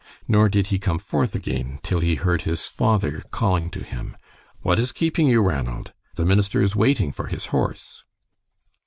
Nor did he come forth again till he heard his father calling to him: "What is keeping you, Ranald? The minister is waiting for his horse."